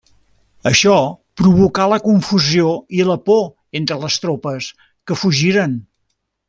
Això provocà la confusió i la por entre les tropes, que fugiren.